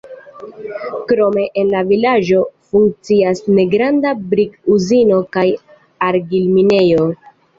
Krome en la vilaĝo funkcias negranda brik-uzino kaj argil-minejo.